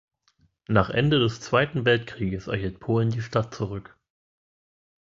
Nach Ende des Zweiten Weltkriegs erhielt Polen die Stadt zurück.